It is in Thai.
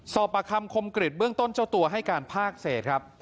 สอบประคัมคมกฤษเบื้องต้นเจ้าตัวให้การภาคเศรษฐ์ครับ